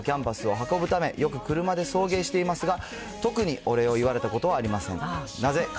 大きなキャンバスを運ぶため、よく車で送迎していますが、特にお礼を言われたことはありません。